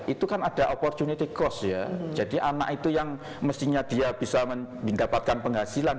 itu kan ada opportunity cost ya jadi anak itu yang mestinya dia bisa mendapatkan penghasilan